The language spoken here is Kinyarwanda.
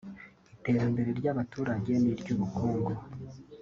iterambere ry’abaturage n’iry’ubukungu